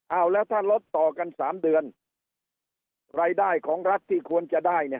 เอาแล้วถ้าลดต่อกันสามเดือนรายได้ของรัฐที่ควรจะได้เนี่ย